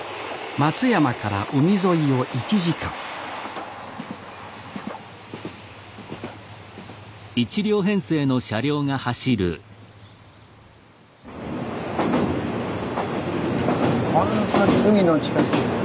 松山から海沿いを１時間ほんとに海の近く。